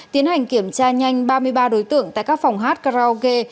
tiến hành kiểm tra nhanh ba mươi ba đối tượng tại các phòng hát karaoke